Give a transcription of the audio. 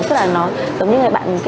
tức là nó giống như người bạn mình kia